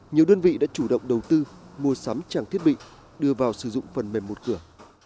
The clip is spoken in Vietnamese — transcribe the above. nhiều đơn vị đã chủ động đầu tư mua sắm trang thiết bị đưa vào sử dụng phần mềm một cửa